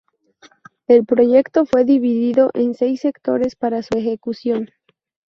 El proyecto fue dividido en seis sectores para su ejecución.